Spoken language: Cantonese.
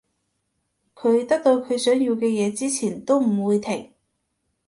佢得到佢想要嘅嘢之前都唔會停